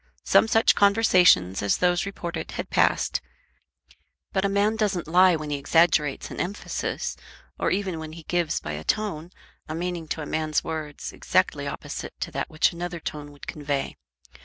Some such conversations as those reported had passed; but a man doesn't lie when he exaggerates an emphasis, or even when he gives by a tone a meaning to a man's words exactly opposite to that which another tone would convey.